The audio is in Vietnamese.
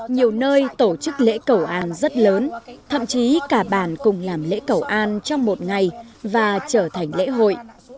nhiều nơi tổ chức lễ cầu an rất lớn thậm chí cả bàn cùng làm lễ cầu an trong một ngày và trở thành lễ hội